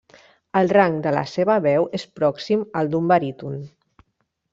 El rang de la seva veu és pròxim al d'un baríton.